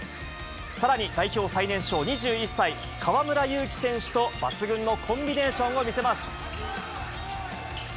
さらに代表最年少、２１歳、河村勇輝選手と抜群のコンビネーションを見せます。